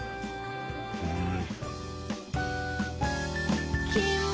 うん。